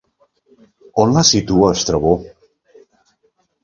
On la situa Estrabó?